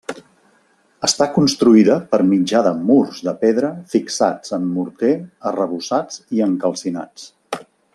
Està construïda per mitjà de murs de pedra fixats amb morter, arrebossats i encalcinats.